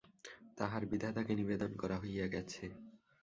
তাহার বিধাতাকে নিবেদন করা হইয়া গেছে।